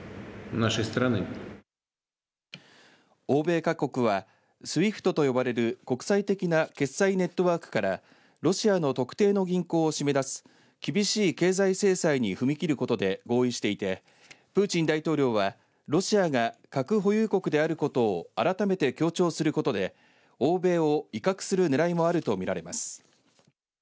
欧米各国はＳＷＩＦＴと呼ばれる国際的な決済ネットワークからロシアの特定の銀行を締め出す厳しい経済制裁に踏み切ることで合意していてプーチン大統領はロシアが核保有国であることをあらためて強調することで欧米を威嚇するねらいもあるとみられます。